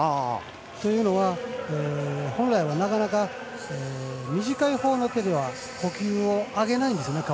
というのは、本来はなかなか短いほうの手では呼吸顔は上げないんですね。